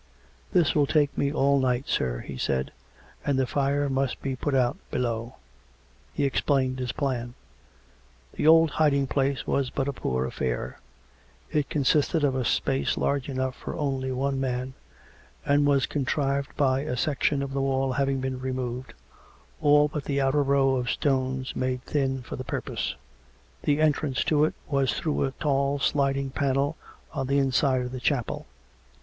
" This will take me all night, sir," he said. " And the fire must be put out below." He explained his plan. The old hiding place was but a poor aflfair; it consisted of a space large enough for only one man, and was contrived by a section of the wall having been removed, all but the outer row of stones made thin for the purpose; the entrance to it was through a tall sliding panel on the inside of the chapel.